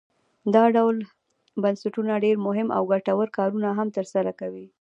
دا ډول بنسټونه ډیر مهم او ګټور کارونه هم تر سره کوي.